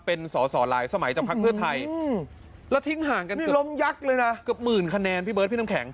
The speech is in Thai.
เป็นสอสอลายสมัยจากภาคเพื่อไทยแล้วทิ้งห่างกันเกือบหมื่นคะแนนพี่เบิร์ตพี่น้ำแข็ง